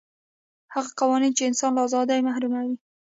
هغه قوانین چې انسان له ازادۍ محروموي.